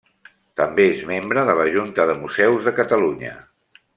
També és membre de la Junta de Museus de Catalunya.